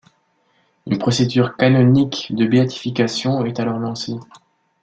Une procédure canonique de béatification est alors lancée.